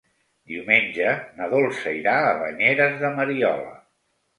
Diumenge na Dolça irà a Banyeres de Mariola.